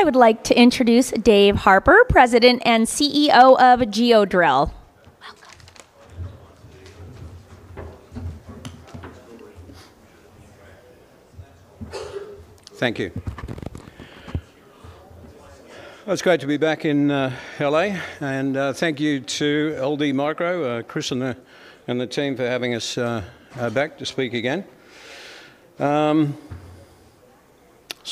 I would like to introduce Dave Harper, President and CEO of Geodrill. Thank you. It's great to be back in L.A., and thank you to LD Micro, Chris and the team for having us back to speak again.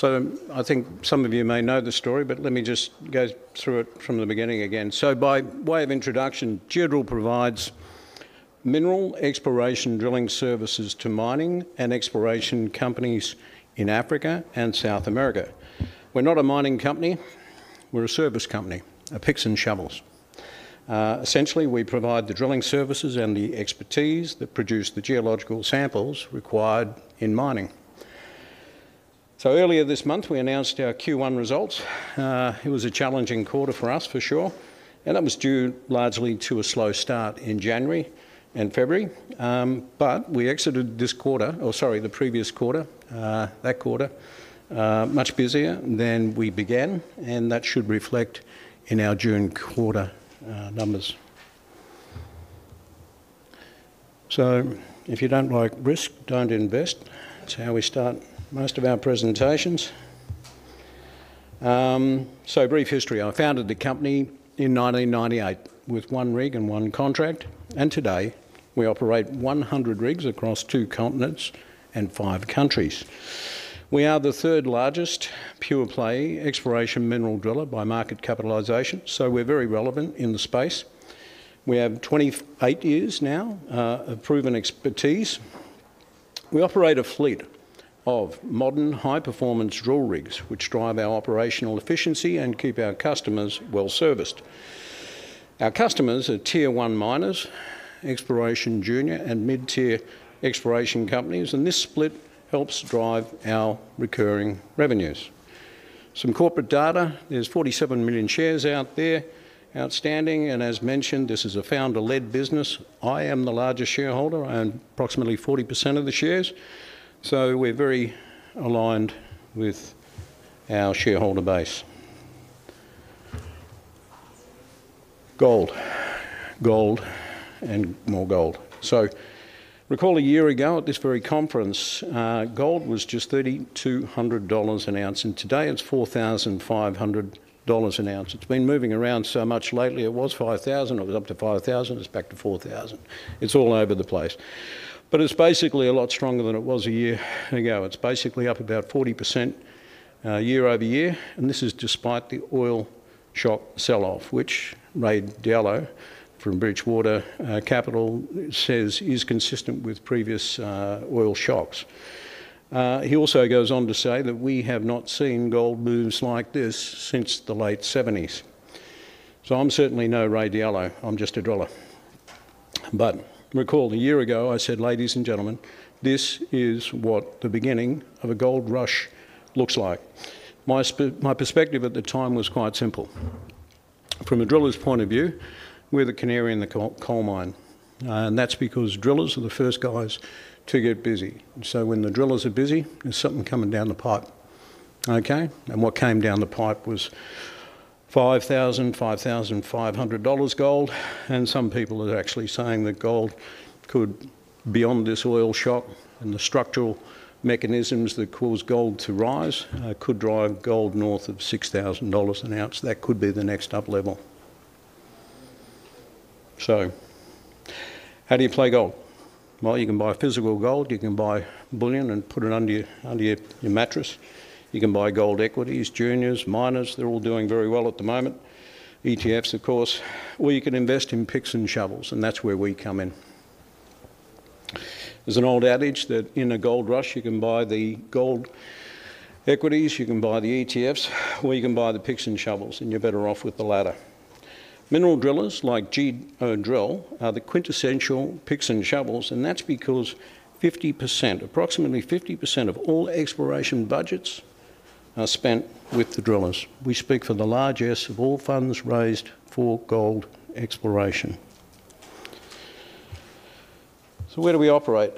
I think some of you may know the story, but let me just go through it from the beginning again. By way of introduction, Geodrill provides mineral exploration drilling services to mining and exploration companies in Africa and South America. We're not a mining company. We're a service company, a picks and shovels. Essentially, we provide the drilling services and the expertise that produce the geological samples required in mining. Earlier this month, we announced our Q1 results. It was a challenging quarter for us, for sure, and that was due largely to a slow start in January and February. We exited this quarter or sorry, the previous quarter, that quarter, much busier than we began, and that should reflect in our June quarter numbers. If you don't like risk, don't invest. That's how we start most of our presentations. Brief history. I founded the company in 1998 with one rig and one contract, and today we operate 100 rigs across two continents and five countries. We are the third-largest pure play exploration mineral driller by market capitalization, we're very relevant in the space. We have 28 years now of proven expertise. We operate a fleet of modern high-performance drill rigs which drive our operational efficiency and keep our customers well-serviced. Our customers are Tier 1 miners, exploration junior and mid-tier exploration companies, and this split helps drive our recurring revenues. Some corporate data, there's 47 million shares out there outstanding. As mentioned, this is a founder-led business. I am the largest shareholder and approximately 40% of the shares. We're very aligned with our shareholder base. Gold. Gold and more gold. Recall a year ago at this very conference, gold was just $3,200 an ounce. Today it's $4,500 an ounce. It's been moving around so much lately. It was $5,000. It was up to $5,000. It's back to $4,000. It's all over the place. It's basically a lot stronger than it was a year ago. It's basically up about 40% year-over-year. This is despite the oil shock sell-off, which Ray Dalio from Bridgewater Capital says is consistent with previous oil shocks. He also goes on to say that we have not seen gold moves like this since the late 70s. I'm certainly no Ray Dalio. I'm just a driller. Recall a year ago, I said, "Ladies and gentlemen, this is what the beginning of a gold rush looks like." My perspective at the time was quite simple. From a driller's point of view, we're the canary in the coal mine, and that's because drillers are the first guys to get busy. When the drillers are busy, there's something coming down the pipe. Okay? What came down the pipe was $5,000, $5,500 gold, and some people are actually saying that gold could, beyond this oil shock and the structural mechanisms that cause gold to rise, could drive gold north of $6,000 an ounce. That could be the next up level. How do you play gold? Well, you can buy physical gold. You can buy bullion and put it under your mattress. You can buy gold equities, juniors, miners. They're all doing very well at the moment. ETFs, of course. You can invest in picks and shovels, and that's where we come in. There's an old adage that in a gold rush, you can buy the gold equities, you can buy the ETFs, or you can buy the picks and shovels, and you're better off with the latter. Mineral drillers like Geodrill are the quintessential picks and shovels, and that's because 50%, approximately 50% of all exploration budgets are spent with the drillers. We speak for the largest of all funds raised for gold exploration. Where do we operate?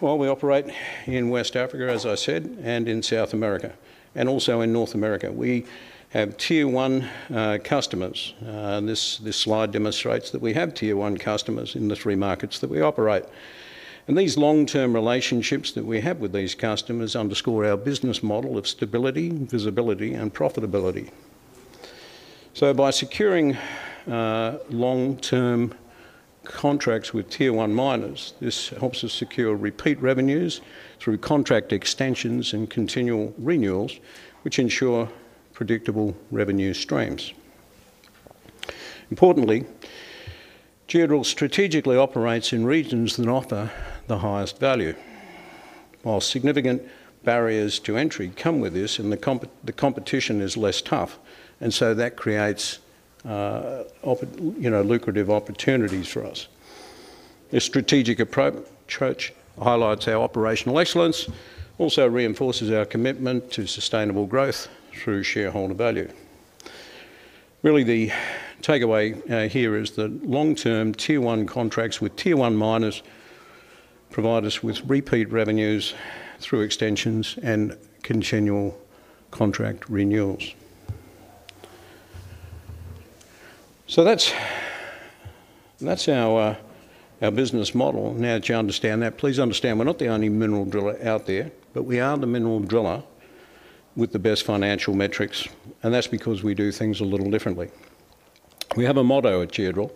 Well, we operate in West Africa, as I said, and in South America, and also in North America. We have Tier 1 customers. This slide demonstrates that we have Tier 1 customers in the three markets that we operate. These long-term relationships that we have with these customers underscore our business model of stability, visibility, and profitability. By securing long-term contracts with Tier 1 miners, this helps us secure repeat revenues through contract extensions and continual renewals which ensure predictable revenue streams. Importantly, Geodrill strategically operates in regions that offer the highest value. While significant barriers to entry come with this and the competition is less tough, that creates, you know, lucrative opportunities for us. This strategic approach highlights our operational excellence, also reinforces our commitment to sustainable growth through shareholder value. Really, the takeaway here is that long-term Tier 1 contracts with Tier 1 miners provide us with repeat revenues through extensions and continual contract renewals. That's our business model. Now that you understand that, please understand we're not the only mineral driller out there, but we are the mineral driller with the best financial metrics, and that's because we do things a little differently. We have a motto at Geodrill,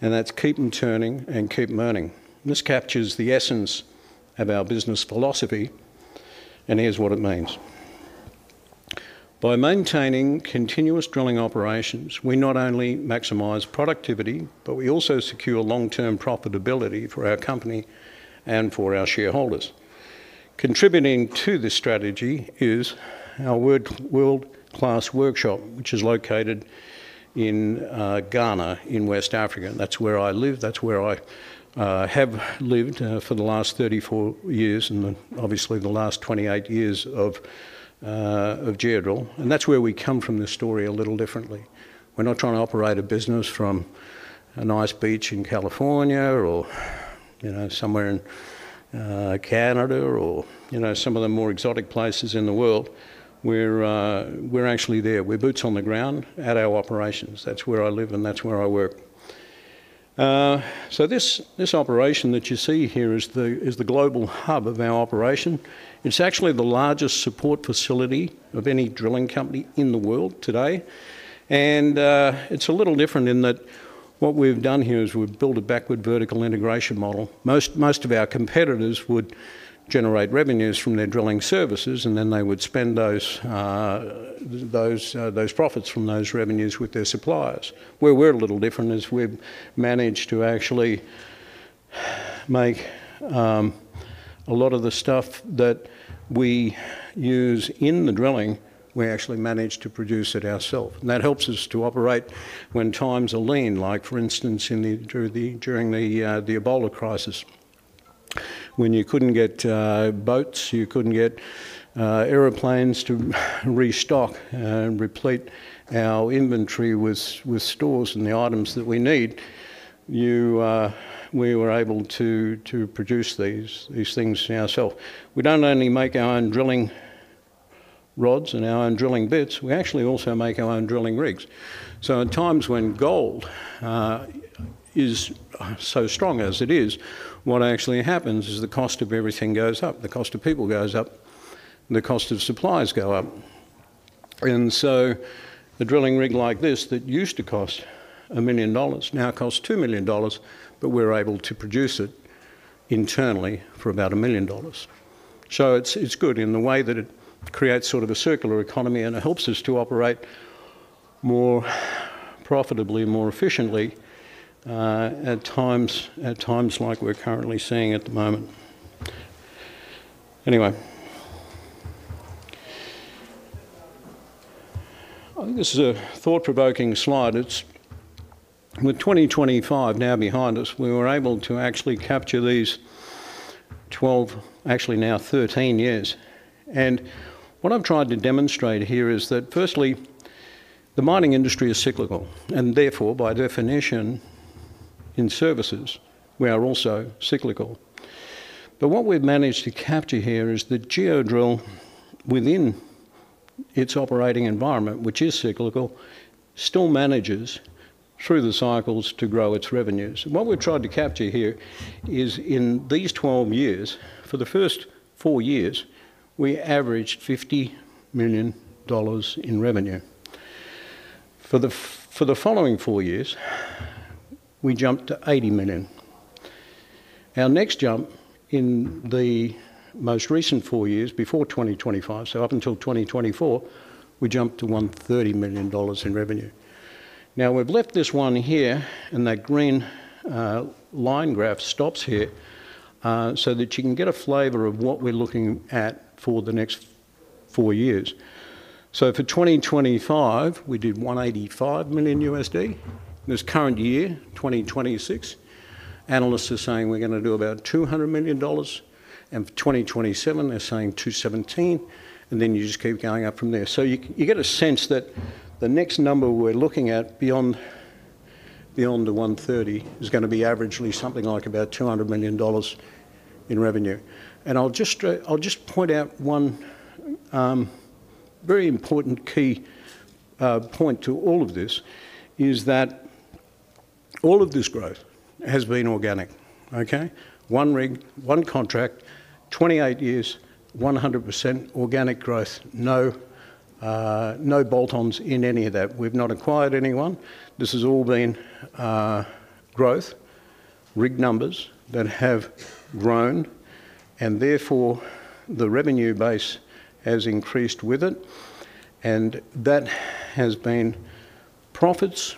and that's, "Keep them turning and keep earning." This captures the essence of our business philosophy, and here's what it means. By maintaining continuous drilling operations, we not only maximize productivity, but we also secure long-term profitability for our company and for our shareholders. Contributing to this strategy is our world-class workshop, which is located in Ghana in West Africa. That's where I live. That's where I have lived for the last 34 years and then obviously the last 28 years of Geodrill, that's where we come from this story a little differently. We're not trying to operate a business from a nice beach in California or, you know, somewhere in Canada or, you know, some of the more exotic places in the world. We're actually there. We're boots on the ground at our operations. That's where I live and that's where I work. This operation that you see here is the global hub of our operation. It's actually the largest support facility of any drilling company in the world today, and it's a little different in that what we've done here is we've built a backward vertical integration model. Most of our competitors would generate revenues from their drilling services and then they would spend those profits from those revenues with their suppliers. Where we're a little different is we've managed to actually make a lot of the stuff that we use in the drilling, we actually manage to produce it ourself, and that helps us to operate when times are lean, like for instance, during the Ebola crisis. When you couldn't get boats, you couldn't get airplanes to restock and replete our inventory with stores and the items that we need, we were able to produce these things ourself. We don't only make our own drilling rods and our own drilling bits, we actually also make our own drilling rigs. At times when gold is so strong as it is, what actually happens is the cost of everything goes up. The cost of people goes up, and the cost of supplies go up. A drilling rig like this that used to cost $1 million now costs $2 million, but we're able to produce it internally for about $1 million. It's good in the way that it creates sort of a circular economy, and it helps us to operate more profitably and more efficiently, at times like we're currently seeing at the moment. I think this is a thought-provoking slide. It's with 2025 now behind us, we were able to actually capture these 12 years, actually now 13 years, what I'm trying to demonstrate here is that firstly, the mining industry is cyclical, therefore by definition in services, we are also cyclical. What we've managed to capture here is that Geodrill, within its operating environment, which is cyclical, still manages through the cycles to grow its revenues. What we've tried to capture here is in these 12 years, for the first four years, we averaged $50 million in revenue. For the following four years, we jumped to $80 million. Our next jump in the most recent four years before 2025, so up until 2024, we jumped to $130 million in revenue. Now we've left this one here, and that green line graph stops here, so that you can get a flavor of what we're looking at for the next four years. For 2025, we did $185 million. This current year, 2026, analysts are saying we're gonna do about $200 million. For 2027, they're saying $217 million, and then you just keep going up from there. You get a sense that the next number we're looking at beyond the $130 million is gonna be averagely something like about $200 million in revenue. I'll just point out one very important key point to all of this, is that all of this growth has been organic, okay? One rig, one contract, 28 years, 100% organic growth. No bolt-ons in any of that. We've not acquired anyone. This has all been growth, rig numbers that have grown, therefore the revenue base has increased with it, that has been profits,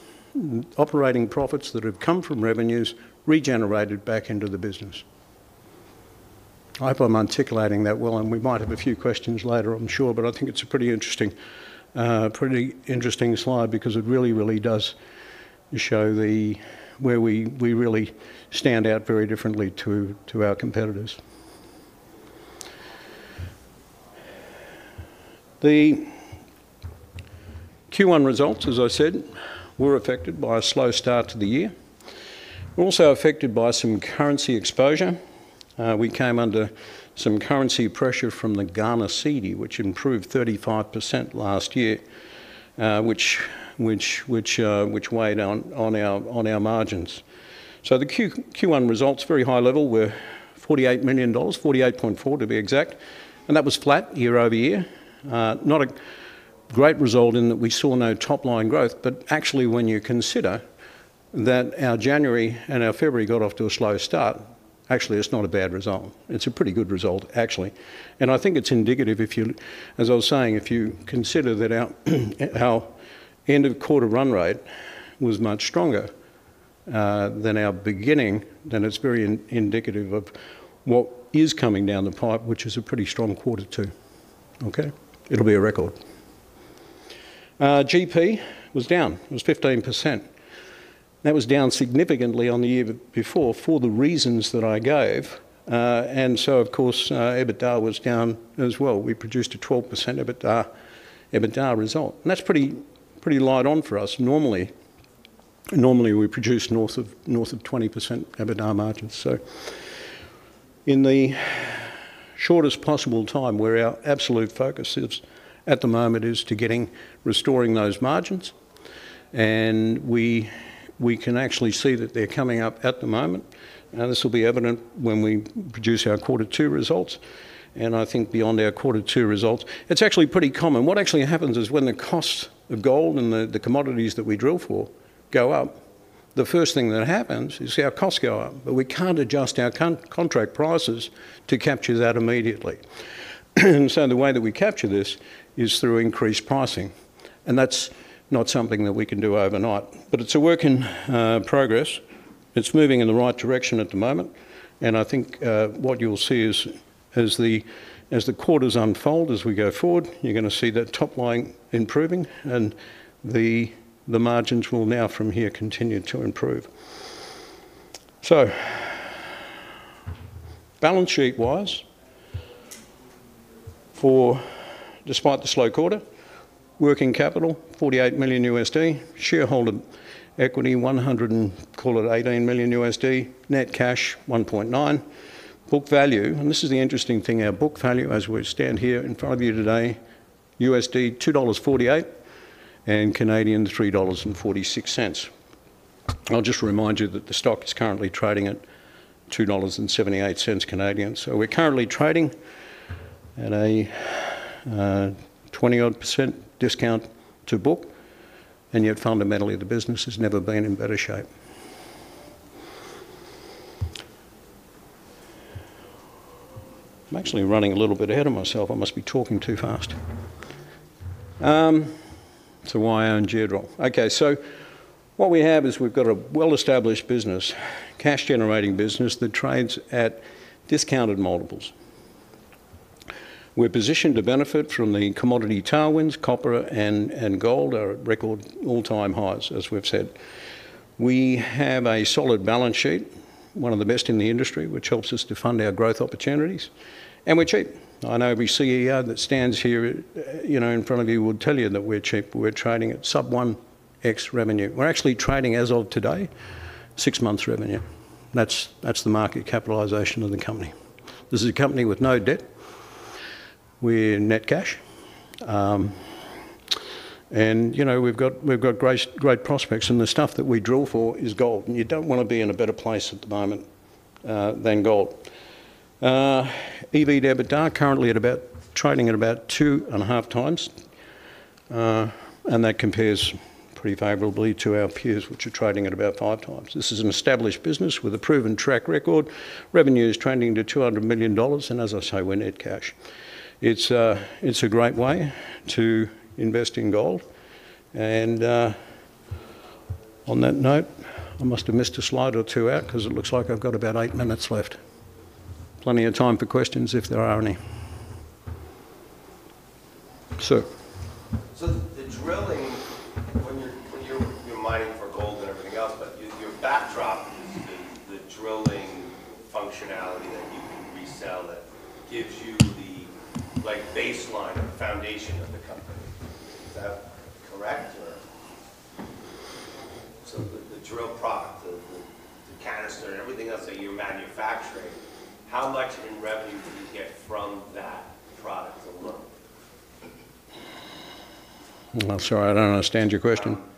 operating profits that have come from revenues regenerated back into the business. I hope I'm articulating that well, we might have a few questions later, I'm sure, I think it's a pretty interesting, pretty interesting slide because it really does show where we stand out very differently to our competitors. The Q1 results, as I said, were affected by a slow start to the year. Also affected by some currency exposure. We came under some currency pressure from the Ghana cedi which improved 35% last year, which weighed down on our margins. The Q1 results, very high level, were $48 million, $48.4 million to be exact, and that was flat year-over-year. Not a great result in that we saw no top line growth, actually when you consider that our January and our February got off to a slow start, actually it's not a bad result. It's a pretty good result actually. I think it's indicative if you, as I was saying, if you consider that our end of quarter run rate was much stronger than our beginning, then it's very indicative of what is coming down the pipe, which is a pretty strong quarter two. Okay. It'll be a record. GP was down. It was 15%. That was down significantly on the year before for the reasons that I gave. Of course, EBITDA was down as well. We produced a 12% EBITDA result and that's pretty light on for us. Normally we produce north of 20% EBITDA margins. In the shortest possible time, where our absolute focus is, at the moment, is to restoring those margins and we can actually see that they're coming up at the moment. Now this will be evident when we produce our quarter two results, and I think beyond our quarter two results. It's actually pretty common. What actually happens is when the cost of gold and the commodities that we drill for go up, the first thing that happens is our costs go up, but we can't adjust our contract prices to capture that immediately. The way that we capture this is through increased pricing, and that's not something that we can do overnight. It's a work in progress. It's moving in the right direction at the moment, and I think what you'll see is as the, as the quarters unfold, as we go forward, you're gonna see that top line improving and the margins will now from here continue to improve. Balance sheet wise, for despite the slow quarter, working capital $48 million. Shareholder equity $118 million. Net cash $1.9. Book value, this is the interesting thing, our book value as we stand here in front of you today, $2.48, and 3.46 Canadian dollars. I'll just remind you that the stock is currently trading at 2.78 Canadian dollars. We're currently trading at a 20 odd percent discount to book, and yet fundamentally the business has never been in better shape. I'm actually running a little bit ahead of myself. I must be talking too fast. Why own Geodrill? What we have is we've got a well-established business, cash generating business that trades at discounted multiples. We're positioned to benefit from the commodity tailwinds. Copper and gold are at record all-time highs, as we've said. We have a solid balance sheet, one of the best in the industry, which helps us to fund our growth opportunities, and we're cheap. I know every CEO that stands here, you know, in front of you would tell you that we're cheap. We're trading at sub 1x revenue. We're actually trading as of today, six months revenue. That's the market capitalization of the company. This is a company with no debt. We're net cash. You know, we've got great prospects and the stuff that we drill for is gold, and you don't wanna be in a better place at the moment than gold. EBITDA currently trading at about 2.5x. That compares pretty favorably to our peers which are trading at about 5x. This is an established business with a proven track record. Revenue is trending to $200 million and as I say, we're net cash. It's a great way to invest in gold. On that note, I must have missed a slide or two out because it looks like I've got about eight minutes left. Plenty of time for questions if there are any. Sir. The drilling, when you're mining for gold and everything else, but your backdrop is the drilling functionality that you can resell that gives you the baseline or foundation of the company. Is that correct? The drill product, the canister and everything else that you're manufacturing, how much in revenue do you get from that product alone? I'm sorry, I don't understand your question. [inaudible]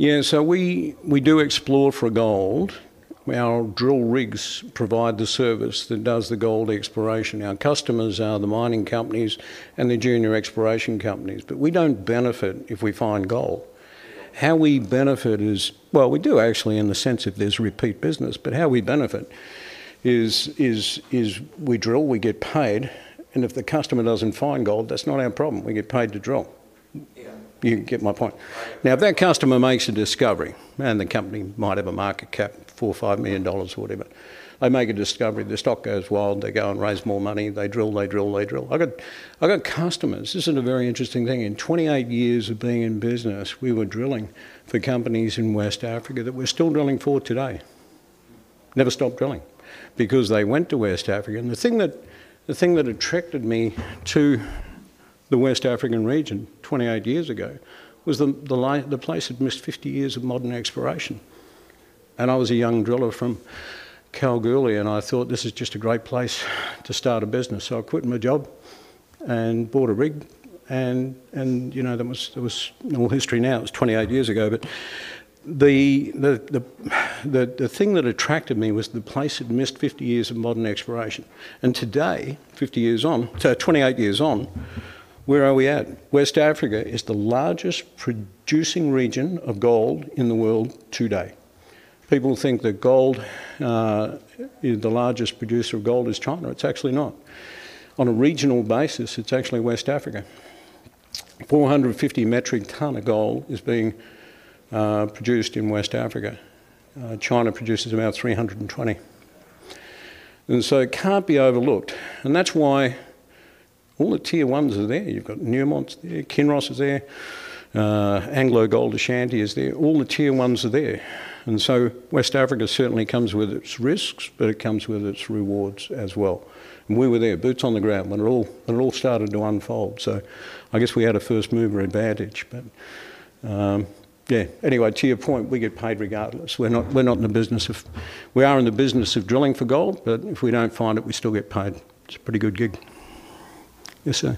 Yeah. We do explore for gold. Our drill rigs provide the service that does the gold exploration. Our customers are the mining companies and the junior exploration companies. We don't benefit if we find gold. How we benefit is, well, we do actually in the sense that there's repeat business. How we benefit is we drill, we get paid, and if the customer doesn't find gold, that's not our problem. We get paid to drill. Yeah. You get my point. If that customer makes a discovery and the company might have a market cap, $4 or $5 million or whatever. They make a discovery, the stock goes wild, they go and raise more money. They drill, they drill, they drill. I got customers. This is a very interesting thing. In 28 years of being in business, we were drilling for companies in West Africa that we're still drilling for today. Never stop drilling because they went to West Africa. The thing that attracted me to the West African region 28 years ago was the place had missed 50 years of modern exploration. I was a young driller from Kalgoorlie, and I thought, "This is just a great place to start a business." I quit my job and bought a rig, and, you know, that was all history now. It was 28 years ago. The thing that attracted me was the place had missed 50 years of modern exploration. Today, 28 years on, where are we at? West Africa is the largest producing region of gold in the world today. People think that gold, the largest producer of gold is China. It's actually not. On a regional basis, it's actually West Africa. 450 metric ton of gold is being produced in West Africa. China produces about 320. It can't be overlooked, and that's why all the Tier 1s are there. You've got Newmont there, Kinross is there, AngloGold Ashanti is there. All the Tier 1s are there. West Africa certainly comes with its risks, but it comes with its rewards as well. We were there, boots on the ground, when it all started to unfold. I guess we had a first-mover advantage. Anyway, to your point, we get paid regardless. We are in the business of drilling for gold, but if we don't find it, we still get paid. It's a pretty good gig. Yes, sir?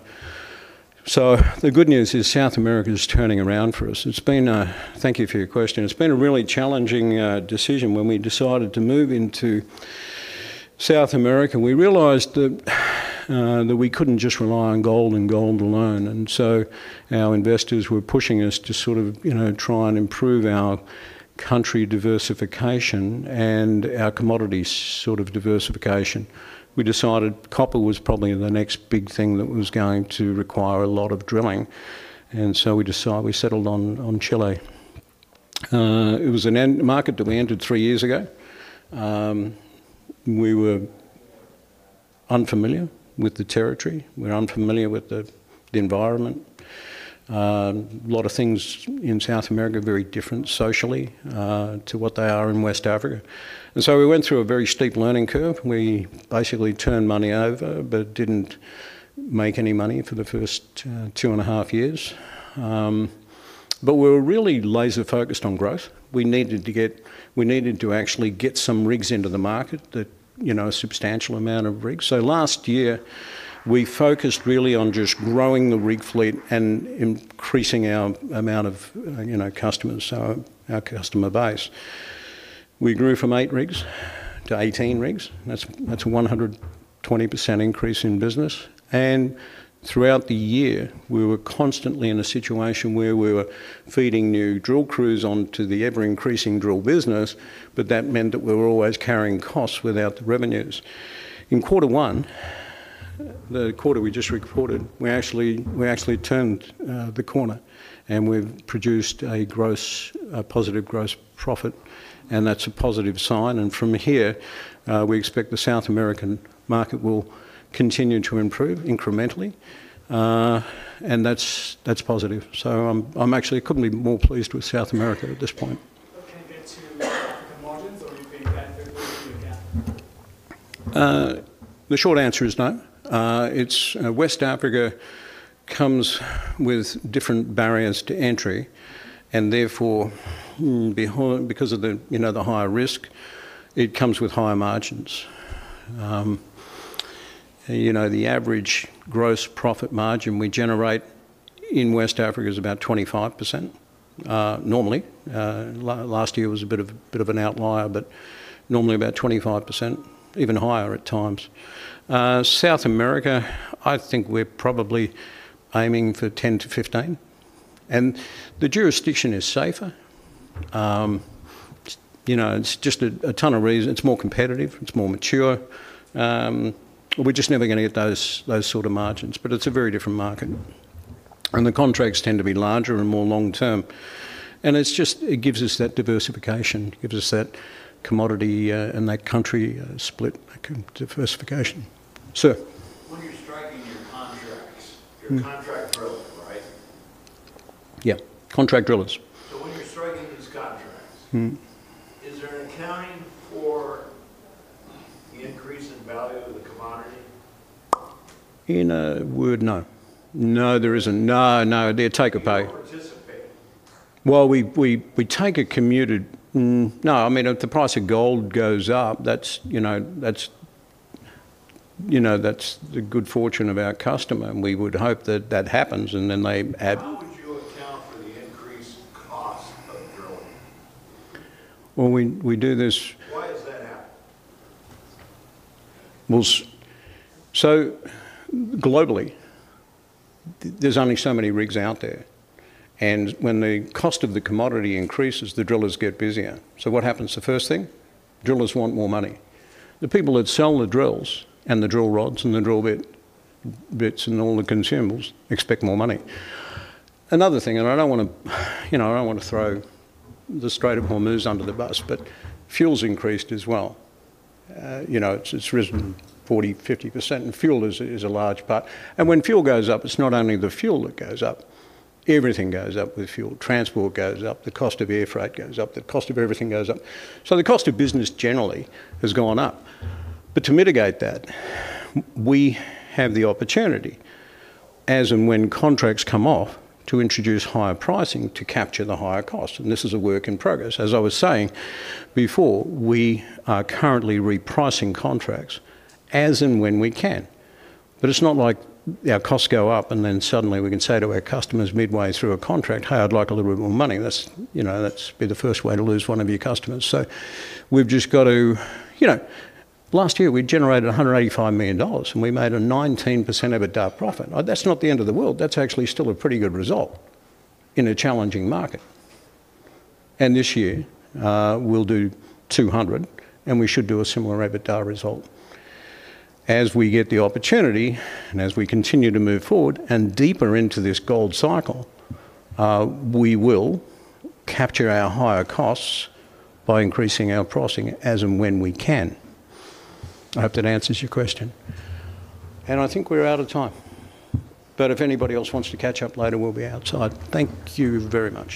[inaudible] The good news is South America's turning around for us. Thank you for your question. It's been a really challenging decision when we decided to move into South America. We realized that we couldn't just rely on gold and gold alone, our investors were pushing us to sort of, you know, try and improve our country diversification and our commodities sort of diversification. We decided copper was probably the next big thing that was going to require a lot of drilling, we settled on Chile. It was a market that we entered three years ago. We were unfamiliar with the territory. We're unfamiliar with the environment. A lot of things in South America are very different socially to what they are in West Africa. We went through a very steep learning curve. We basically turned money over, but didn't make any money for the first 2.5 years. We're really laser focused on growth. We needed to actually get some rigs into the market that, you know, a substantial amount of rigs. Last year, we focused really on just growing the rig fleet and increasing our amount of, you know, customers, so our customer base. We grew from eight rigs to 18 rigs. That's a 120% increase in business. Throughout the year, we were constantly in a situation where we were feeding new drill crews onto the ever-increasing drill business, but that meant that we were always carrying costs without the revenues. In quarter one, the quarter we just reported, we actually turned the corner and we've produced a positive gross profit. That's a positive sign. From here, we expect the South American market will continue to improve incrementally. That's positive. I'm actually couldn't be more pleased with South America at this point. [inaudible] The short answer is no. It's, West Africa comes with different barriers to entry and therefore, because of the, you know, the higher risk, it comes with higher margins. You know, the average gross profit margin we generate in West Africa is about 25% normally. Last year was a bit of an outlier, but normally about 25%, even higher at times. South America, I think we're probably aiming for 10%-15%. The jurisdiction is safer. You know, it's just a ton of reasons. It's more competitive. It's more mature. We're just never gonna get those sort of margins, but it's a very different market. The contracts tend to be larger and more long-term. It's just, it gives us that diversification. It gives us that commodity, and that country split diversification. Sir. When you're striking your contracts, you're a contract driller, right? Yeah. Contract drillers. When you're striking these contracts. Is there an accounting for the increase in value of the commodity? In a word, no. No, there isn't. No, no, they take a pay. [inaudible] No. I mean, if the price of gold goes up, that's, you know, that's the good fortune of our customer, and we would hope that that happens. [inaudible] Well, we do. [inaudible] Globally, there's only so many rigs out there. When the cost of the commodity increases, the drillers get busier. What happens the first thing? Drillers want more money. The people that sell the drills and the drill rods and the drill bits and all the consumables expect more money. Another thing, you know, I don't wanna throw the straight up homers under the bus, fuel's increased as well. You know, it's risen 40%-50%, fuel is a large part. When fuel goes up, it's not only the fuel that goes up. Everything goes up with fuel. Transport goes up. The cost of air freight goes up. The cost of everything goes up. The cost of business generally has gone up. To mitigate that, we have the opportunity, as and when contracts come off, to introduce higher pricing to capture the higher cost, and this is a work in progress. As I was saying before, we are currently repricing contracts as and when we can. It's not like our costs go up and then suddenly we can say to our customers midway through a contract, "Hey, I'd like a little bit more money." That's, you know, that's be the first way to lose one of your customers. You know, last year we generated $185 million and we made a 19% EBITDA profit. That's not the end of the world. That's actually still a pretty good result in a challenging market. This year, we'll do $200 million and we should do a similar EBITDA result. As we get the opportunity and as we continue to move forward and deeper into this gold cycle, we will capture our higher costs by increasing our pricing as and when we can. I hope that answers your question. I think we're out of time. If anybody else wants to catch up later, we'll be outside. Thank you very much.